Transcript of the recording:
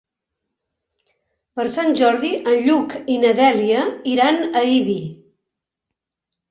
Per Sant Jordi en Lluc i na Dèlia iran a Ibi.